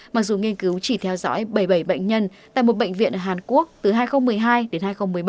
mặc dù nghiên cứu chỉ theo dõi bảy mươi bảy bệnh nhân tại một bệnh viện ở hàn quốc từ hai nghìn một mươi hai đến hai nghìn một mươi bảy